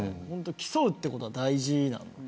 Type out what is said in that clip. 競うということは大事なので。